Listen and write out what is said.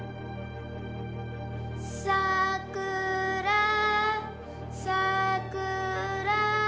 「さくらさくら」